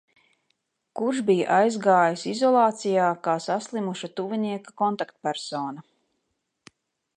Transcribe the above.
Kurš bija aizgājis izolācijā kā saslimuša tuvinieka kontaktpersona.